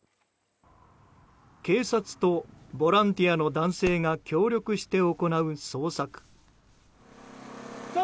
警察とボランティアの男性が協力して行う捜索。